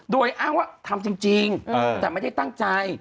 โดยอ้างว่าทำจริงแต่ไม่ได้ตั้งใจ